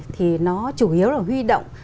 thì nó chủ yếu là huy động